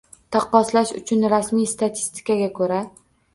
Taqqoslash uchun, rasmiy statistikaga ko‘ra.